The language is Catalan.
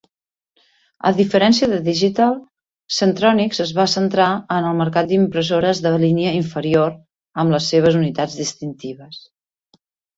A diferència de Digital, Centronics es va centrar en el mercat d"impressores de línia inferior amb les seves unitats distintives.